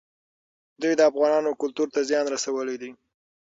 دوی د افغانانو کلتور ته زیان رسولی دی.